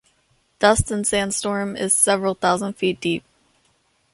Dust and sandstorm is several thousand feet deep.